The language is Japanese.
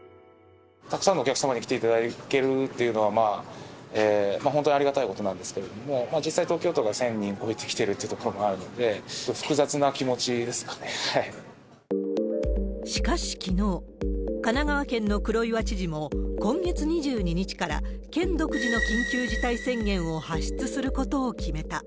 たくさんのお客様に来ていただけるというのは、本当にありがたいことなんですけれども、実際東京都が１０００人超えてきてるっていうところもあるので、ちょっと複雑な気持ちでしかしきのう、神奈川県の黒岩知事も、今月２２日から県独自の緊急事態宣言を発出することを決めた。